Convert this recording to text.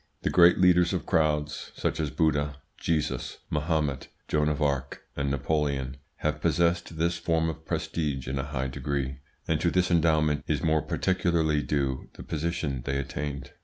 The great leaders of crowds, such as Buddha, Jesus, Mahomet, Joan of Arc, and Napoleon, have possessed this form of prestige in a high degree, and to this endowment is more particularly due the position they attained.